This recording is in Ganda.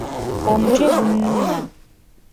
Omutwe gunnuma